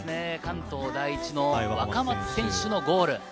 関東第一の若松選手のゴール。